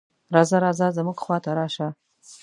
"راځه راځه زموږ خواته راشه".